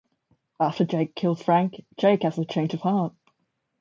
After Jake kills Frank, Jake has a change of heart.